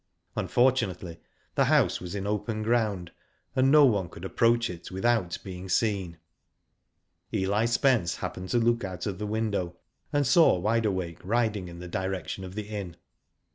Unfortunately the house was in open ground, and no one could approach it without being seen, n^ Eli Spence happened to look out of the window, and saw Wide Awake riding in the direction of the inn.